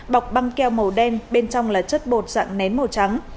bọc băng keo màu đen bên trong là chất bột dạng nén màu trắng